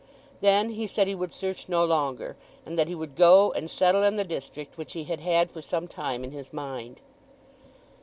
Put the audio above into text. Then he said he would search no longer, and that he would go and settle in the district which he had had for some time in his mind.